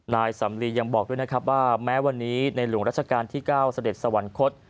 นายสำลียังบอกด้วยนะครับว่าแม้วันนี้ในหลวงรัชกาลที่๙เสด็จสวรรคต